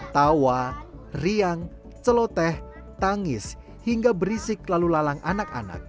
tawa riang celoteh tangis hingga berisik lalu lalang anak anak